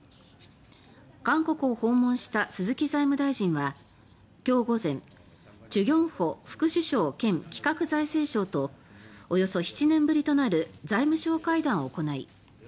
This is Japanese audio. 韓国を訪問した鈴木財務大臣はきょう午前チュ・ギョンホ副首相兼企画財政相とおよそ７年ぶりとなる財務相会談を行い